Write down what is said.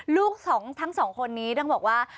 ลูกทั้งสองคนนี้ต้องบอกว่า